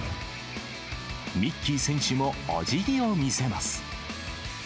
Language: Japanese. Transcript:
ミッキー選手もおじぎを見せます。